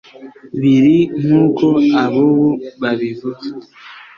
biri nk'uko ab'ubu babivuga